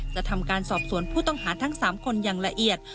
จะทำการสอบสวนผู้ต้องหาทั้ง๓คนอย่างละเอียด